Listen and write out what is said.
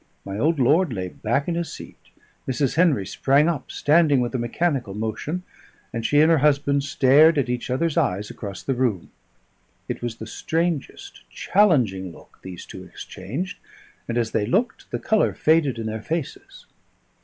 My old lord lay back in his seat. Mrs. Henry sprang up standing with a mechanical motion, and she and her husband stared at each other's eyes across the room; it was the strangest, challenging look these two exchanged, and as they looked, the colour faded in their faces.